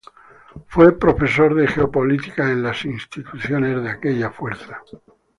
Fue profesor de Geopolítica en las instituciones de aquella fuerza.